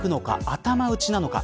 頭打ちなのか。